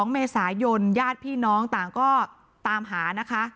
๒เมษายนญาติพี่น้องต่างก็ตามหานะคะ